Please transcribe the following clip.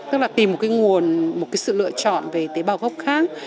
tức là tìm một cái nguồn một cái sự lựa chọn về tế bào gốc khác